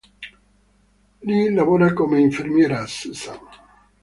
Lì lavora, come infermiera, Susan.